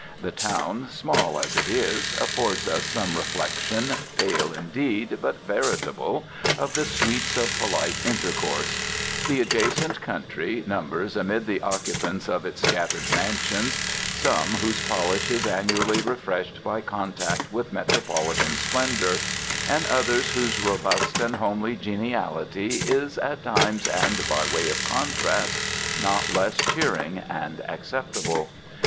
The town, small as it is, affords us some reflection, pale indeed, but veritable, of the sweets of polite intercourse: the adjacent country numbers amid the occupants of its scattered mansions some whose polish is annually refreshed by contact with metropolitan splendour, and others whose robust and homely geniality is, at times, and by way of contrast, not less cheering and acceptable.